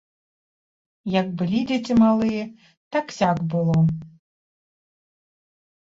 Як былі дзеці малыя так-сяк было.